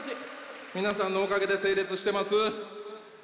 皆さんのおかげで成立してます。